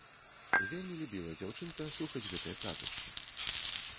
Вельмі любіла дзяўчынка слухаць гэтыя казачкі.